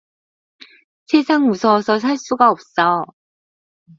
세상 무서워서 살 수가 없어.